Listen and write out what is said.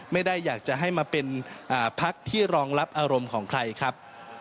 ไม่ได้อยากจะให้มาเป็นพักที่รองรับอารมณ์ของใครครับ